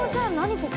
ここ。